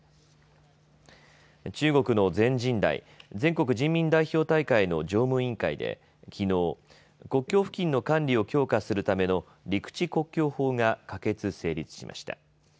中国の全人代・全国人民代表大会の常務委員会できのう、国境付近の管理を強化するための陸地国境法が可決、成立しました。